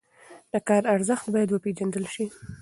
د کار ارزښت باید وپېژندل شي.